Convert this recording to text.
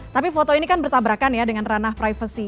tapi foto ini kan bertabrakan ya dengan ranah privacy